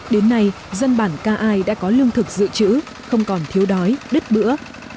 đến nay dân bản ca ai đã có lương thực dự trữ không còn thiếu đói đứt bữa